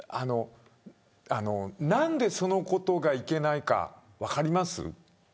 何で、そのことがいけないか分かります。